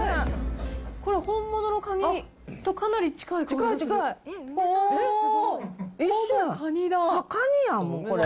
これ、本物のカニとかなり近い感じです。